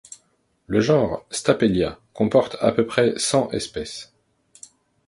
Le genre Stapelia comporte à peu près cent espèces.